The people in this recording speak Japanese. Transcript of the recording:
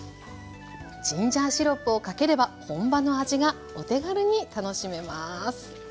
ジンジャーシロップをかければ本場の味がお手軽に楽しめます。